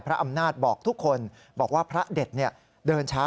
อำนาจบอกทุกคนบอกว่าพระเด็ดเดินช้า